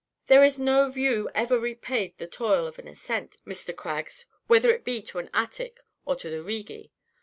"There is no view ever repaid the toil of an ascent, Mr. Craggs, whether it be to an attic or the Righi.